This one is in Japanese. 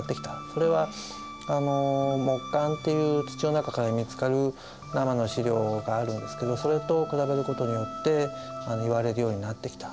それは木簡っていう土の中から見つかる奈良の資料があるんですけどそれと比べることによっていわれるようになってきた。